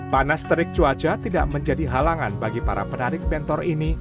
panas terik cuaca tidak menjadi halangan bagi para penarik bentor ini